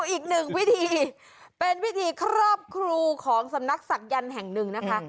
อีกหนึ่งวิธีเป็นวิธีครอบครูของสำนักศักยันต์แห่งหนึ่งนะคะ